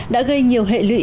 đã gây nhiều hệ lụy